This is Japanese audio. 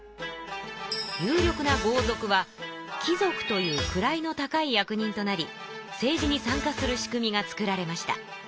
有力な豪族は貴族という位の高い役人となり政治に参加する仕組みが作られました。